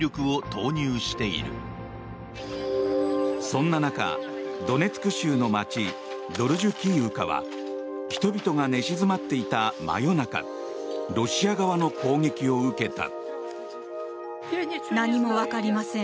そんな中、ドネツク州の街ドルジュキーウカは人々が寝静まっていた真夜中ロシア側の攻撃を受けた。